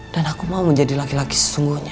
dan aku mau menjadi laki laki sesungguhnya